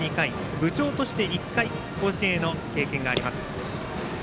部長として１回甲子園の経験があります。